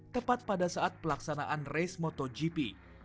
tepat pada saat pelaksanaan race motogp